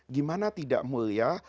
gimana tidak mulia